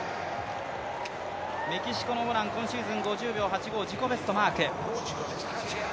メキシコのモラン今シーズン自己ベストをマーク。